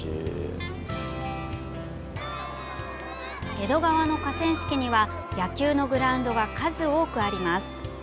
江戸川の河川敷には野球のグラウンドが数多くあります。